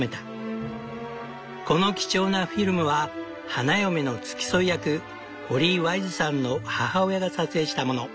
この貴重なフィルムは花嫁の付き添い役ホリー・ワイズさんの母親が撮影したもの。